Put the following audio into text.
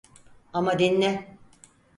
Ama dinle.